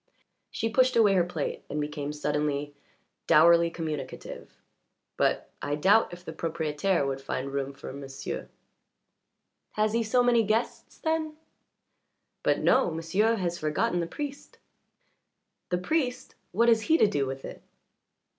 She pushed away her plate and became suddenly dourly communicative. "But I doubt if the propriétaire would find room for m'sieu'." "Has he so many guests, then?" "But no. M'sieu' has forgotten the priest." "The priest? What has he to do with it?"